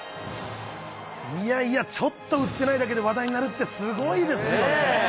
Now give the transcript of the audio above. いやいや、ちょっと打ってないだけで話題になるってすごいですよね。